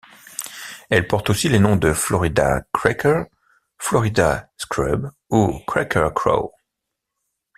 Elle porte aussi les noms de Florida cracker, Florida scrub ou cracker crow.